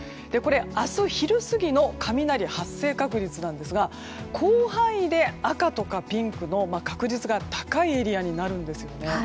明日昼過ぎの雷発生確率ですが広範囲で赤とかピンクの確率が高いエリアになるんですね。